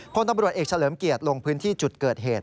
พลตำรวจเอกเฉลิมเกียรติลงพื้นที่จุดเกิดเหตุ